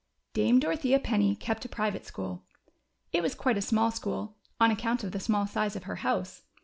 D ame Dorothea penny kept a private school. It was quite a small school, on account of the small size of her house.